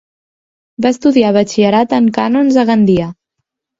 Va estudiar batxillerat en cànons a Gandia.